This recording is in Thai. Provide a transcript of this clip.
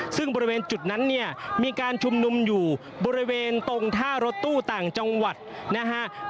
ซึ่งบริเวณจุดนั้นเนี่ยมีการชุมนุมอยู่บริเวณตรงท่ารถตู้ต่างจังหวัดนะฮะ